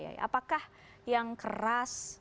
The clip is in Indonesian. apakah yang keras